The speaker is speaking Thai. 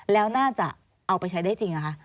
แล้วน่าจะเอาไปใช้ได้จริงเหรอคะ